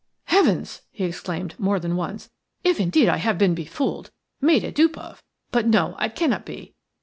"Heavens!" he exclaimed more than once. "If indeed I have been befooled – made a dupe of – but no, it cannot be.